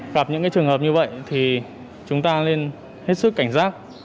gặp những trường hợp như vậy thì chúng ta nên hết sức cảnh giác